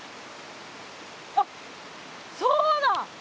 あそうだ！